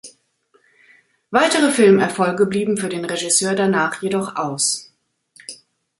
Weitere Filmerfolge blieben für den Regisseur danach jedoch aus.